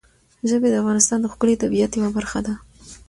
ژبې د افغانستان د ښکلي طبیعت یوه برخه ده.